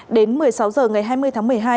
đến một mươi sáu h ngày hai mươi tháng một mươi hai